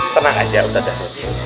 tenang aja ustadz